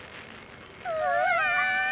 うわ！